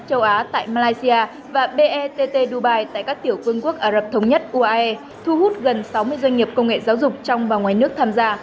châu á tại malaysia và bett dubai tại các tiểu quân quốc ả rập thống nhất uae thu hút gần sáu mươi doanh nghiệp công nghệ giáo dục trong và ngoài nước tham gia